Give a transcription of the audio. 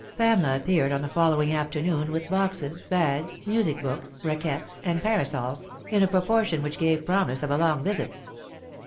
Pamela appeared on the following afternoon with boxes, bags, music books, raquets, and parasols, in a proportion which gave promise of a long visit.